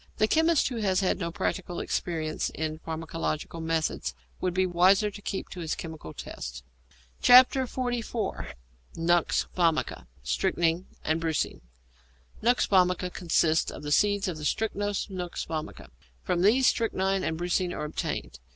The chemist who has had no practical experience in pharmacological methods would be wiser to keep to his chemical tests. XLIV. NUX VOMICA, STRYCHNINE, AND BRUCINE =Nux Vomica= consists of the seeds of the Strychnos nux vomica. From these strychnine and brucine are obtained.